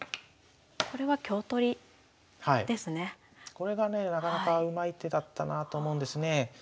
これがねなかなかうまい手だったなと思うんですね。